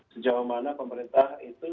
sejauh mana pemerintah itu